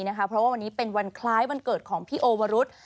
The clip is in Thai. เพราะว่าวันนี้เป็นวันคล้ายวันเกิดของพี่โอวรุษ